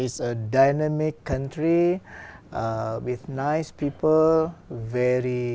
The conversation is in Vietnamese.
không chỉ gặp các loại